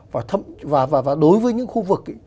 và đối với những khu vực